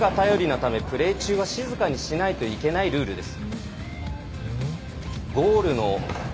ためプレー中は静かにしないといけないルールです。